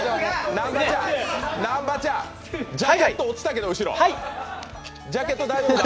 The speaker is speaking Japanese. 南波ちゃん、ジャケット落ちたけど大丈夫？